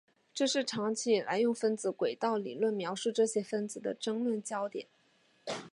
这是长期以来用分子轨道理论描述这些分子的争论焦点。